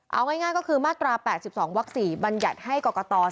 เอาง่ายก็คือมาตรา๘๒วัก๔บัญญัติให้กรกต